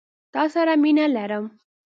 تا سره مينه لرم.